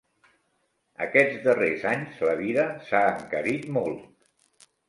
Aquests darrers anys la vida s'ha encarit molt!